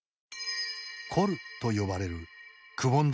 コルと呼ばれるくぼんだ